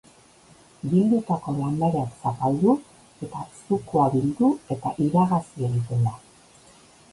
Bildutako landareak zapaldu eta zukua bildu eta iragazi egiten da.